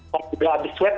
kalau sudah habis swab